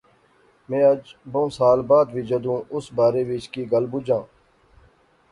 میں اج بہوں سال بعد وی جدوں اس بارے وچ کی گل بجاں